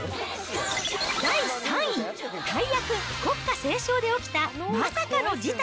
第３位、大役・国歌斉唱で起きたまさかの事態！